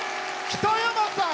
北山さん。